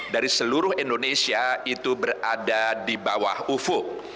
dari seluruh indonesia itu berada di bawah ufuk